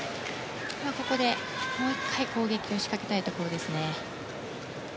ここでもう１回、攻撃を仕掛けたいところですね。